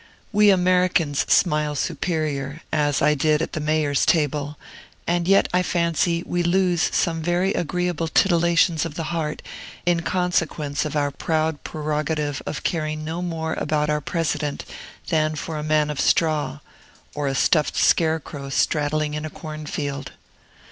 We Americans smile superior, as I did at the Mayor's table; and yet, I fancy, we lose some very agreeable titillations of the heart in consequence of our proud prerogative of caring no more about our President than for a man of straw, or a stuffed scarecrow straddling in a cornfield.